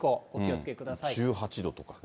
１８度とかね。